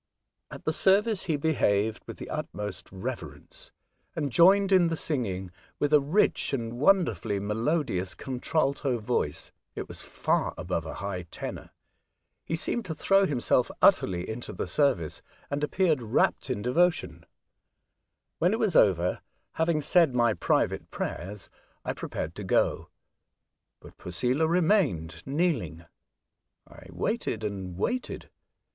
At the service he behaved with the utmost reverence, and joined in the singing with a riqh and wonderfully melodious contralto voice (it was far above a high tenor). He seemed to throw himself utterly into the service, and appeared wrapt in devotion. When it was 28 A Voyage to Other Worlds, over, having said my private prayers, I pre pared to go, but Posela remained kneeling. I waited and waited.